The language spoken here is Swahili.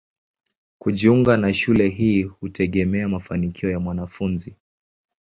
Kujiunga na shule hii hutegemea mafanikio ya mwanafunzi.